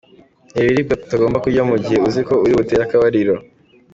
Reba ibiribwa utagomba kurya mugihe uziko uri butere akabariro.